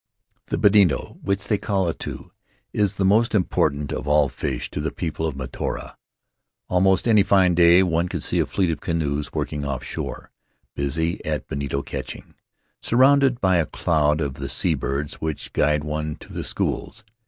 "The bonito, which they call atu, is the most im portant of all fish to the people of Mataora. Almost any fine day one could see a fleet of canoes working offshore, busy at bonito catching, surrounded by a cloud of the sea birds which guide one to the schools.